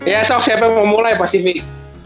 ya sok siapa yang mau mulai pasifik